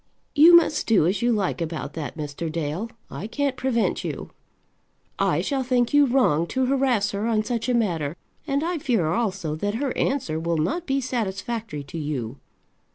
"You must do as you like about that, Mr. Dale; I can't prevent you. I shall think you wrong to harass her on such a matter, and I fear also that her answer will not be satisfactory to you.